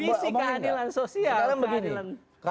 visi keadilan sosial keadilan ekonomi bagi masyarakat